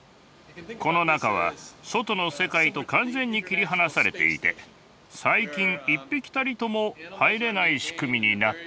この中は外の世界と完全に切り離されていて細菌一匹たりとも入れない仕組みになっています。